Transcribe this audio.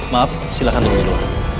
maaf silahkan tinggal di luar